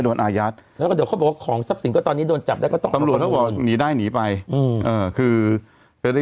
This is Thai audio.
ตอนนี้ของสัตว์สิ่งโดนจับต้องตอบกำลังอายัด